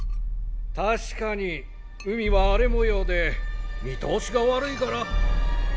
確かに海は荒れもようで見通しが悪いから。